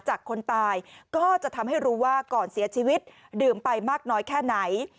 คนตายก็จะทำให้รู้ว่าก่อนเสียชีวิตดื่มไปมากน้อยแค่ไหน